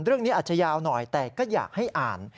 เรื่องนี้อาจจะยาวหน่อยแต่ก็อยากให้อ่าน